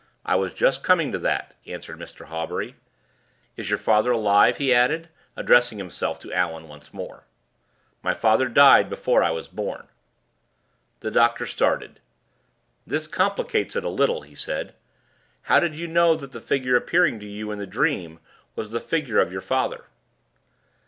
I was just coming to that," answered Mr. Hawbury. "Is your father alive?" he added, addressing himself to Allan once more. "My father died before I was born." The doctor started. "This complicates it a little," he said. "How did you know that the figure appearing to you in the dream was the figure of your father?"